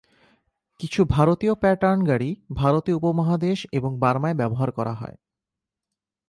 কিছু ভারতীয় প্যাটার্ন গাড়ি ভারতীয় উপমহাদেশ এবং বার্মায় ব্যবহার করা হয়।